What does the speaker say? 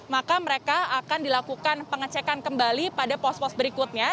maka mereka akan dilakukan pengecekan kembali pada pos pos berikutnya